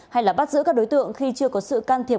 hay là bắt giữ các đối tượng khi chưa có sự can thiệp